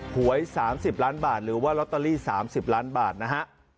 หวย๓๐ล้านบาทหรือว่าลอตเตอรี่๓๐ล้านบาทนะฮะ